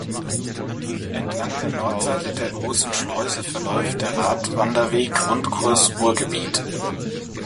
Entlang der Nordseite der großen Schleuse verläuft der Radwanderweg Rundkurs Ruhrgebiet.